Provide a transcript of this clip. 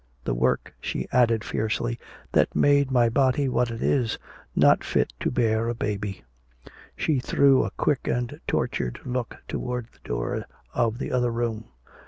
The work," she added fiercely, "that made my body what it is, not fit to bear a baby!" She threw a quick and tortured look toward the door of the other room.